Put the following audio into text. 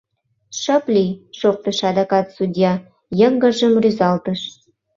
— Шып лий! — шоктыш адакат судья, йыҥгыржым рӱзалтыш.